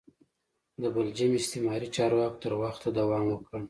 د بلجیم استعماري چارواکو تر وخته دوام وکړ.